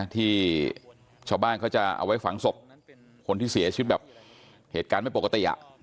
ที่ชาวบ้านเขาจะเอาไว้ฝังศพคนที่เสียชีวิตแบบเหตุการณ์ไม่ปกติ